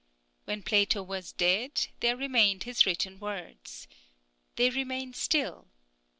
When Plato was dead, there remained his written words. They remain still.